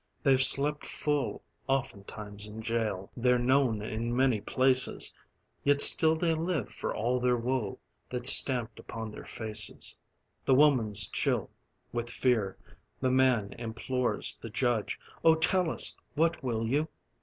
They've slept full oftentimes in jail, They're known in many places; Yet still they live, for all the woe That's stamped upon their faces. The woman's chill with fear. The man Implores the judge: "Oh tell us, What will you?